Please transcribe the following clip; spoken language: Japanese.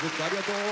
ありがとう。